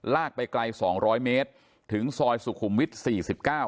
ลากไปไกล๒๐๐เมตรถึงซอยสุขุมวิทย์๔๙